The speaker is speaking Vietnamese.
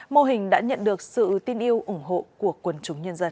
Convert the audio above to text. mô hình đã nhận được sự tin yêu ủng hộ của quần chúng nhân dân